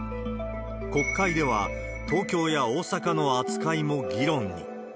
国会では、東京や大阪の扱いも議論に。